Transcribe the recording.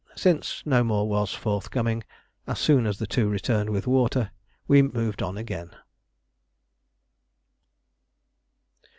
Since no more was forthcoming, as soon as the two returned with water we moved on again.